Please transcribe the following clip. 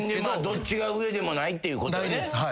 どっちが上でもないっていうことね。